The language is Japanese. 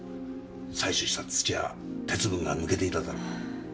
採取した土は鉄分が抜けていただろう？